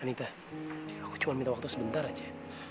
nikah aku cuma minta waktu sebentar aja